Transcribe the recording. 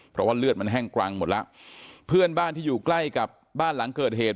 เพราะว่าเลือดมันแห้งกรังหมดแล้วเพื่อนบ้านที่อยู่ใกล้กับบ้านหลังเกิดเหตุ